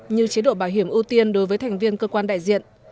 như chế độ bảo hiểm ưu tiên đối với thành viên cơ quan đại diện